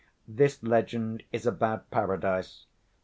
This legend is about Paradise.